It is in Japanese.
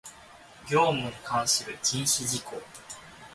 業務に関する禁止事項